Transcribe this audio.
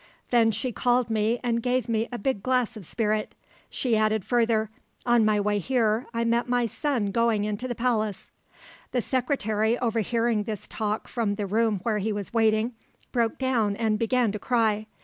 Then she called me and gave me a big glass of spirit. She added further, 'On my way here I met my son going into the Palace.'" The secretary, overhearing this talk from the room where he was waiting, broke down and began to cry.